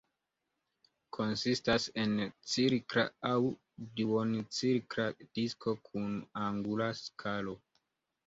Konsistas el cirkla aŭ duoncirkla disko kun angula skalo.